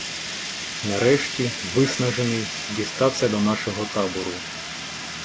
Нарешті, виснажений, дістався до нашого табору.